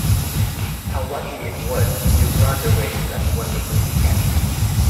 How lucky it was you brought away that wonderful Cap!